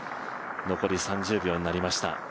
残り３０秒になりました。